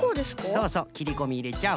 そうそうきりこみいれちゃう。